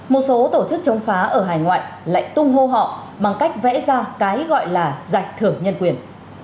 một số tổ chức chống phá ở hải ngoại lại tung hô họ bằng cách vẽ ra cái gọi là giải thưởng nhân quyền